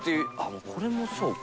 もうこれもそうか。